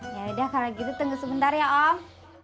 yaudah kalau gitu tunggu sebentar ya om